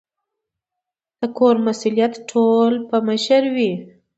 د کور مسؤلیت ټول په مشر وي